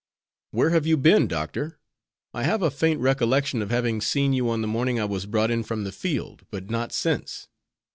"Where have you been, Doctor? I have a faint recollection of having seen you on the morning I was brought in from the field, but not since."